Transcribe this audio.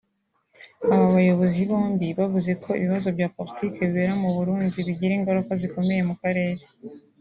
Aba bayobozi bombi bavuze ko ibibazo bya Politike bibera mu Burundi bigira ingaruka zikomeye mu karere